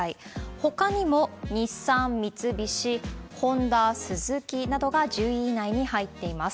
ほかにも、日産、三菱、ホンダ、スズキなどが１０位以内に入っています。